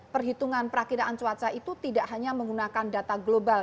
perhitungan perakiraan cuaca itu tidak hanya menggunakan data global